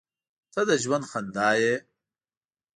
• ته د ژوند خندا یې.